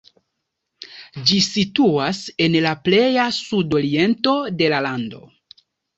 Ĝi situas en la pleja sudoriento de la lando.